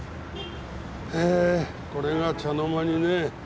へえこれが茶の間にね。